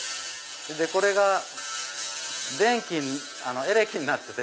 これがエレキになってて。